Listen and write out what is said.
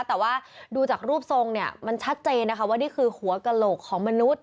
แต่ว่าดูจากรูปทรงเนี่ยมันชัดเจนนะคะว่านี่คือหัวกระโหลกของมนุษย